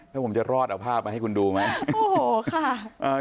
ถ้าผมจะรอดเอาภาพมาให้คุณดูไหมโอ้โหค่ะ